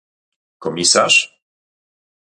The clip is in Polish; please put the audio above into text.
komisarz